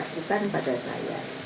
bukan pada saya